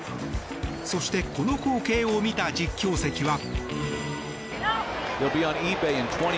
そしてこの光景を見た実況席は。